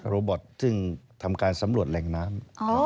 โรบอตซึ่งทำการสำรวจแหล่งน้ำ